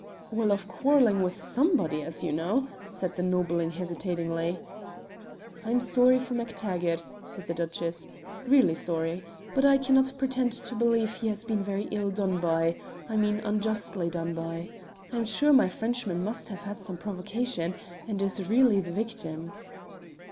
"Well, of quarrelling with somebody, as you know," said the nobleman hesitatingly. "I am sorry for MacTaggart," said the Duchess, "really sorry, but I cannot pretend to believe he has been very ill done by I mean unjustly done by. I am sure my Frenchman must have had some provocation, and is really the victim."